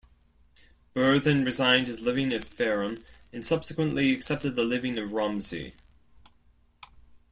Berthon resigned his living at Fareham, and subsequently accepted the living of Romsey.